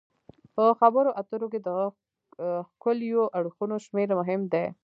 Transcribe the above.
په خبرو اترو کې د ښکیلو اړخونو شمیر مهم دی